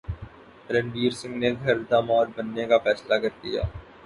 رنویر سنگھ نے گھر داماد بننے کا فیصلہ کر لیا